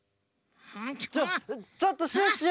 ちょちょっとシュッシュ！